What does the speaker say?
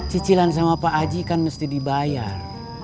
cicilan sama pak haji kan mesti dibayar